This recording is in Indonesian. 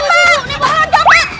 kamu mau dapet